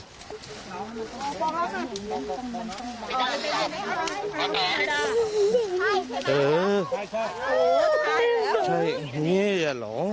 เออใช่เงียบอย่าหลอง